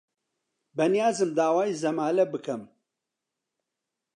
بەنیازم داوای زەمالە بکەم.